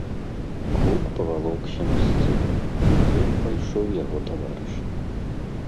Гук павалокся на сцэну, з ім пайшоў яго таварыш.